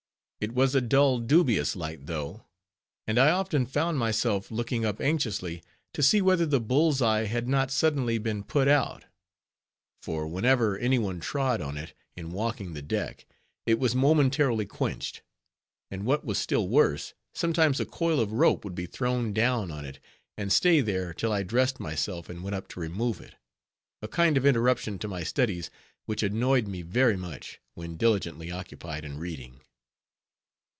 It was a dull, dubious light, though; and I often found myself looking up anxiously to see whether the bull's eye had not suddenly been put out; for whenever any one trod on it, in walking the deck, it was momentarily quenched; and what was still worse, sometimes a coil of rope would be thrown down on it, and stay there till I dressed myself and went up to remove it—a kind of interruption to my studies which annoyed me very much, when diligently occupied in reading.